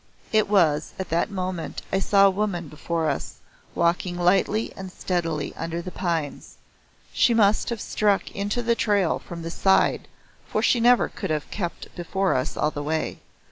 It was at that moment I saw a woman before us walking lightly and steadily under the pines. She must have struck into the trail from the side for she never could have kept before us all the way.